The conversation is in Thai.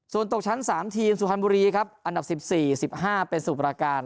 ส่วนตกชั้น๓ทีมสุพรรณบุรีครับอันดับ๑๔๑๕เป็นสมุประการ